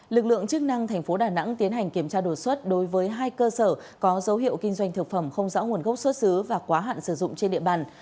lực lượng chức năng tp đà nẵng tiến hành kiểm tra đột xuất đối với hai cơ sở có dấu hiệu kinh doanh thực phẩm không rõ nguồn gốc xuất xứ và quá hạn sử dụng trên địa bàn